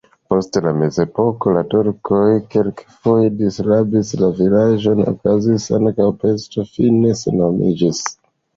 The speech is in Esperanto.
Post la mezepoko la turkoj kelkfoje disrabis la vilaĝon, okazis ankaŭ pesto, fine senhomiĝis.